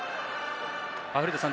古田さん